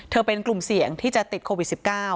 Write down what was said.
เป็นกลุ่มเสี่ยงที่จะติดโควิด๑๙